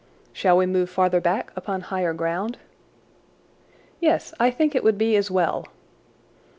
"Shall we move farther back upon higher ground?" "Yes, I think it would be as well."